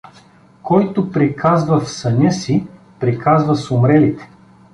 Който приказва в съня си, приказва с умрелите.